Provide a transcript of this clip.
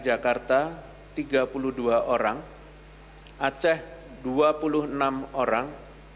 jakarta tiga puluh dua orang aceh dua puluh enam orang